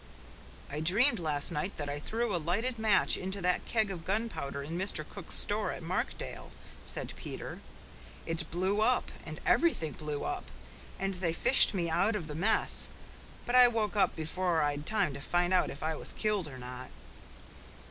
"I dreamed last night that I threw a lighted match into that keg of gunpowder in Mr. Cook's store at Markdale," said Peter. "It blew up and everything blew up and they fished me out of the mess but I woke up before I'd time to find out if I was killed or not."